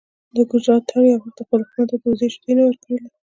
د ګجرات تارړ یو وخت خپل دښمن ته د وزې شیدې نه ورکولې.